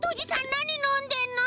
なにのんでんの？